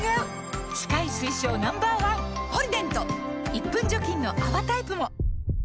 １分除菌の泡タイプも！